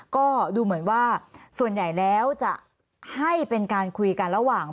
ก็ดูเหมือนว่าส่วนใหญ่แล้วจะให้เป็นการคุยกันระหว่าง